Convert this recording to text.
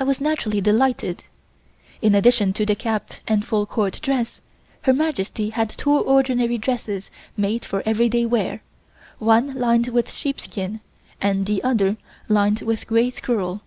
I was naturally delighted. In addition to the cap and full Court dress Her Majesty had two ordinary dresses made for everyday wear, one lined with sheepskin and the other lined with grey squirrel.